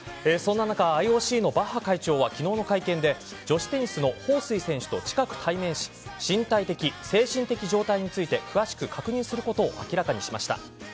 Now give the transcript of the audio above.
そんな中ＩＯＣのバッハ会長は昨日の会見で女子テニスのホウ・スイ選手と近く対面し身体的・精神的状態について詳しく確認することを明らかにしました。